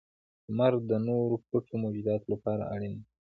• لمر د نورو پټو موجوداتو لپاره اړین دی.